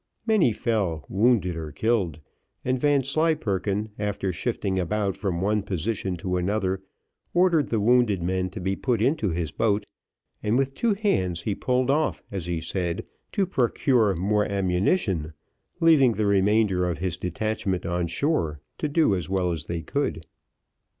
Many fell, wounded or killed; and Vanslyperken, after shifting about from one position to another, ordered the wounded men to be put into his boat, and with two hands he pulled off as he said to procure more ammunition, leaving the remainder of his detachment on shore, to do as well as they could.